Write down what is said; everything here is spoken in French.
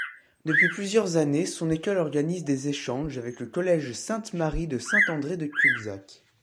Depuis plusieurs années son école organise des échanges avec le collège sainte-Marie de Saint-André-de-Cubzac.